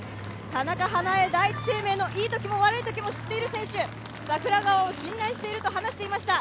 田中華絵、いいところも悪いところも知っている選手櫻川を信頼していると話していました。